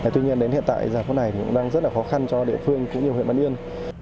tuy nhiên đến hiện tại giờ phút này thì cũng đang rất là khó khăn cho địa phương cũng như huyện bản yên